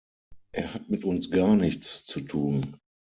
Er hat mit uns gar nichts zu tun.